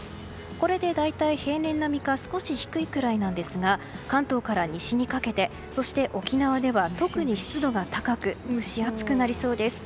これで大体、平年並みか少し低いくらいなんですが関東から西にかけてそして沖縄では特に湿度が高く蒸し暑くなりそうです。